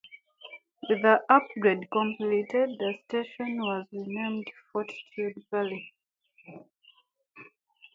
With the upgrade completed, the station was renamed Fortitude Valley.